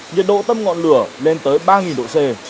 nhiệt độ tâm ngọn lửa lên tới ba độ c